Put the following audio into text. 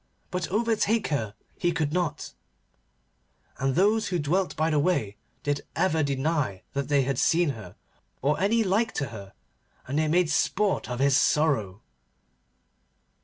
But overtake her he could not, and those who dwelt by the way did ever deny that they had seen her, or any like to her, and they made sport of his sorrow.